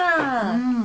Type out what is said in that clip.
うん。